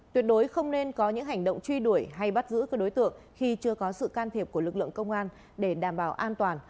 tuyệt đối không nên có những hành động truy đuổi hay bắt giữ các đối tượng khi chưa có sự can thiệp của lực lượng công an để đảm bảo an toàn